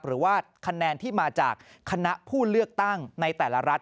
หรือว่าคะแนนที่มาจากคณะผู้เลือกตั้งในแต่ละรัฐ